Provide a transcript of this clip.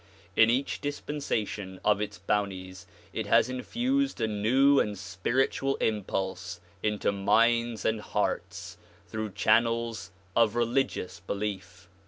In each dispensation of its bounties it has infused a new and spiritual impulse into minds and hearts through channels of religious belief.